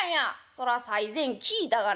「そら最前聞いたがな」。